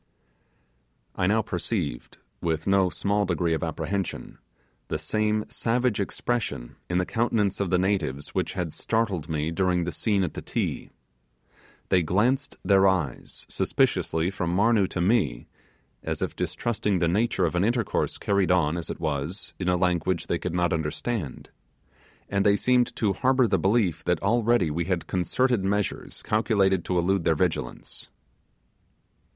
I now perceived, with no small degree of apprehension, the same savage expression in the countenances of the natives, which had startled me during the scene at the Ti. They glanced their eyes suspiciously from Marnoo to me, as if distrusting the nature of an intercourse carried on, as it was, in a language they could not understand, and they seemed to harbour the belief that already we had concerted measures calculated to elude their vigilance.